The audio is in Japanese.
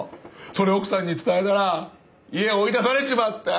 それ奥さんに伝えたら家追い出されちまった。